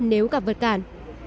nếu gặp vật cản